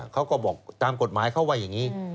เขาก็บอกตามกฎหมายเขาว่าอย่างนี้